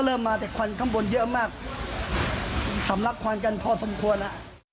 มาแต่ควันข้างบนเยอะมากสำลักควันกันพอสมควรแล้ว